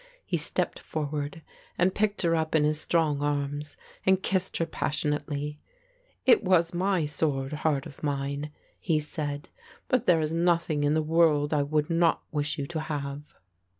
He stepped forward and picked her up in his strong arms and kissed her passionately. "It was my sword, heart of mine," he said, "but there is nothing in the world that I would not wish you to have."